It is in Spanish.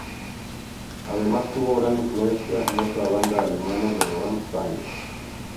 Además, tuvo gran influencia en otra banda alemana, Rammstein.